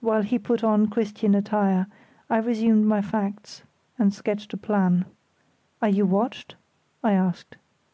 While he put on Christian attire, I resumed my facts and sketched a plan. "Are you watched?" I asked.